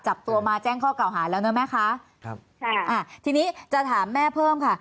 จับตัวมาแจ้งข้อเก่าหารแล้วเนอะแม่คะทีนี้จะถามแม่เพิ่มค่ะ